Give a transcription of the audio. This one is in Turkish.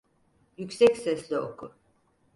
Yüksek sesle oku.